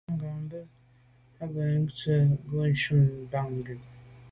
Mangambe bə́ ɑ̂ yə̀k nzwe' ɑ́ gə́ yí gi shúnɔ̀m Batngub.